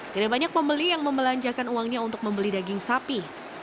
tidak banyak pembeli yang membelanjakan uangnya untuk membeli daging sapi